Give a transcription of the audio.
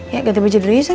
ya ganti baju dulu ya sang